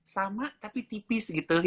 sama tapi tipis gitu ya gak sih